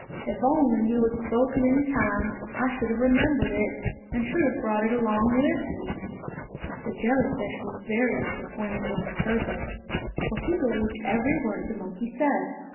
If only you had spoken in time I should have remembered it, and should have brought it along with me!" The jellyfish was very disappointed when he heard this, for he believed every word the monkey said.